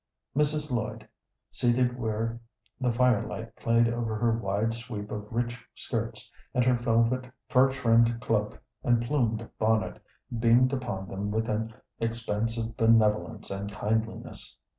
Mrs. Lloyd, seated where the firelight played over her wide sweep of rich skirts, and her velvet fur trimmed cloak and plumed bonnet, beamed upon them with an expansive benevolence and kindliness.